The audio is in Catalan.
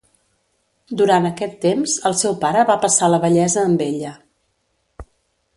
Durant aquest temps el seu pare va passar la vellesa amb ella.